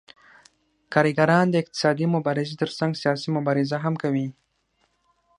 کارګران د اقتصادي مبارزې ترڅنګ سیاسي مبارزه هم کوي